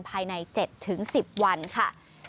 ภายใน๗๑๐วันค่ะ